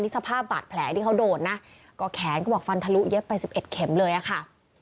สภาพบาดแผลที่เขาโดนนะก็แขนก็บอกฟันทะลุเย็บไป๑๑เข็มเลยอะค่ะ